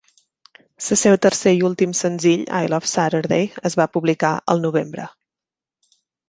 Se seu tercer i últim senzill, "I Love Saturday", es va publicar el novembre.